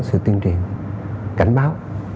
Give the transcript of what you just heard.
sự tiên triển cảnh báo